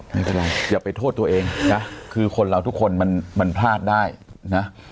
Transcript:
ไม่เป็นไรอย่าไปโทษตัวเองนะคือคนเราทุกคนมันพลาดได้นะ